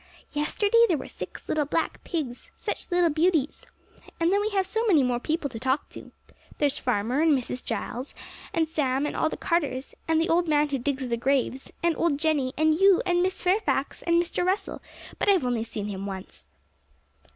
Yesterday there were six little black pigs, such little beauties! And then we have so many more people to talk to. There's Farmer and Mrs. Giles, and Sam, and all the carters, and the old man who digs the graves, and old Jenny, and you, and Miss Fairfax, and Mr. Russell, but I've only seen him once.'